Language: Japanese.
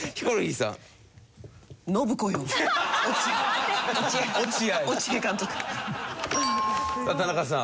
さあ田中さん。